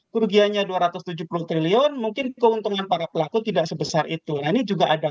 kerugiannya dua ratus tujuh puluh triliun mungkin keuntungan para pelaku tidak sebesar itu nah ini juga ada